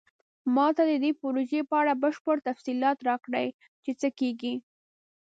ما ته د دې پروژې په اړه بشپړ تفصیلات راکړئ چې څه کیږي